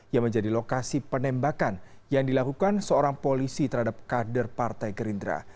yang menjadi lokasi penembakan yang dilakukan seorang polisi terhadap kader partai gerindra